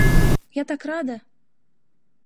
Я так рада!